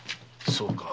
そうか。